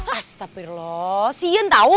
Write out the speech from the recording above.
astagfirullah si yen tau